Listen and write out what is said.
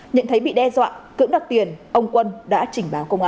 nhận thấy bị đe dọa cưỡng đặt tiền ông quân đã trình báo công an